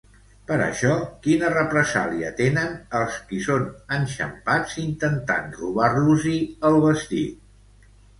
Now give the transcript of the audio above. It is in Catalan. Per això, quina represàlia tenen els qui són enxampats intentant robar-los-hi el vestit?